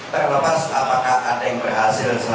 terlepas apakah ada yang berhasil selama di sana